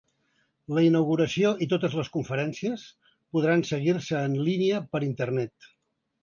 La inauguració i totes les conferències podran seguir-se en línia per internet.